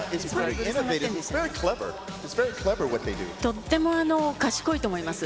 とっても賢いと思います。